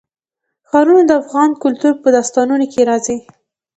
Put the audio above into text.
ښارونه د افغان کلتور په داستانونو کې راځي.